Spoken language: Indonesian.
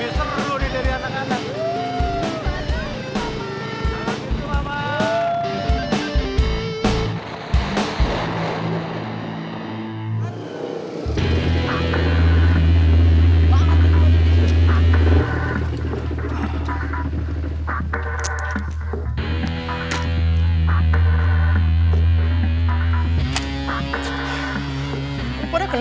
ini kita lebih seru nih dari anak anak